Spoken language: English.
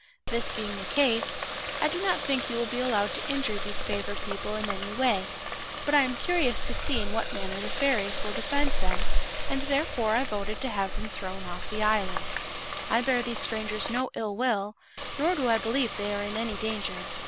This being the case, I do not think you will be allowed to injure these favored people in any way; but I am curious to see in what manner the fairies will defend them, and therefore I voted to have them thrown off the island. I bear these strangers no ill will, nor do I believe they are in any danger.